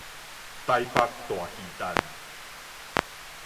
臺北大巨蛋